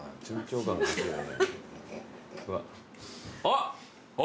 あっ！